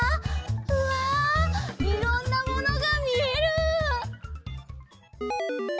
うわいろんなものがみえる！